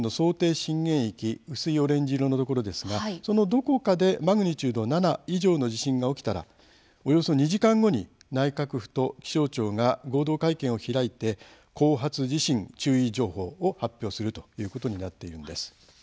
震源域薄いオレンジ色のところですがその、どこかでマグニチュード７以上の地震が起きたらおよそ２時間後に内閣府と気象庁が合同会見を開いて後発地震注意情報を発表するということになっているんです。